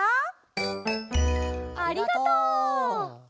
ありがとう！